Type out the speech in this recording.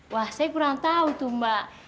wah saya kurang tahu tuh mbak